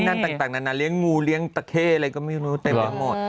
นั่นต่างน่ะเลี้ยงงูเทแออะไรก็ไม่รู้เต็มที่หมด